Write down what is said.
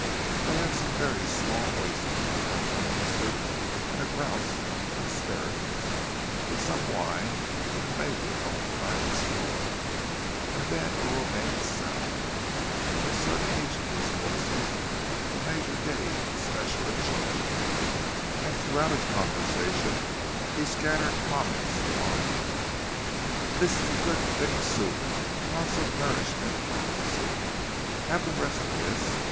They had some very small oysters, and an onion soup, and a grouse and asparagus, with some wine from the Major's own private store, and then a romaine salad. Concerning each one of these courses, the Major gave special injunctions, and throughout his conversation he scattered comments upon them: "This is good thick soup—lots of nourishment in onion soup. Have the rest of this?